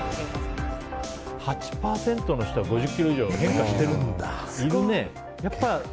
８％の人は５０ｋｇ以上変化してるんだ。